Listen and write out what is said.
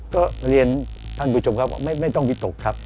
ก็เรียนท่านผู้ชมครับว่าไม่ต้องวิตกครับ